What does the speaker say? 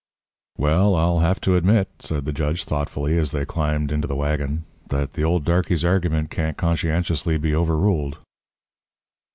"Well, I'll have to admit," said the judge, thoughtfully, as they climbed into the waggon, "that the old darkey's argument can't conscientiously be overruled."